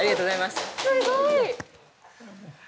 すごい！